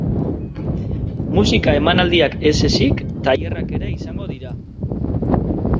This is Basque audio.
Musika-emanaldiak ez ezik, tailerrak ere izango dira.